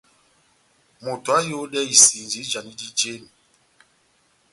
Moto aháyodɛ isinji ijanidi jémi.